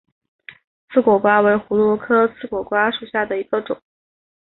刺果瓜为葫芦科刺果瓜属下的一个种。